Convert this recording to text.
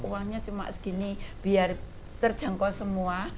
uangnya cuma segini biar terjangkau semua